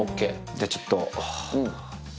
じゃあちょっと。